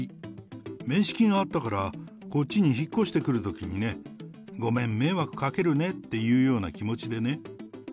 面識があったから、こっちに引っ越してくるときにね、ごめん、迷惑かけるねっていうような気持ちでね。